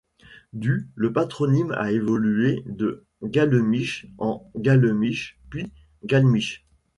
Du le patronyme a évolué de Gallemiche en Galemiche puis Galmiche.